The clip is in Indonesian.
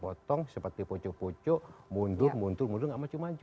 potong potong seperti pucu pucu mundur mundur gak maju maju